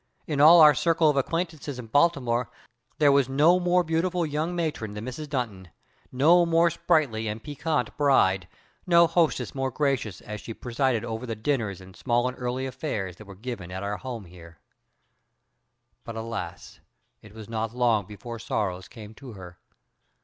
In all our circle of acquaintances in Baltimore there was no more beautiful young matron than Mrs. Dunton; no more sprightly and piquant bride; no hostess more gracious, as she presided over the dinners and 'small and early' affairs that were given at our home here. "But, alas! it was not long before sorrows came to her.